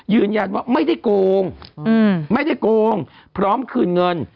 ยืนยันว่าไม่ได้โกงไม่ได้โกงพร้อมคืนเงิน